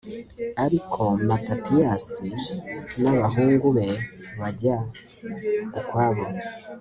ariko matatiyasi n'abahungu be bajya ukwabo